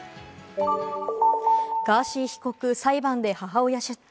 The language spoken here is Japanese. ガーシー被告、裁判で母親出廷。